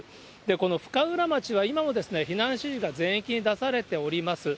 この深浦町は今は避難指示が全域に出されております。